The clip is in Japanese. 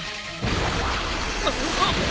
あっ。